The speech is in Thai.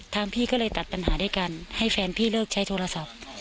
พี่ก็เลยตัดปัญหาด้วยกันให้แฟนพี่เลิกใช้โทรศัพท์